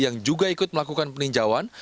yang juga ikut melakukan peninjauan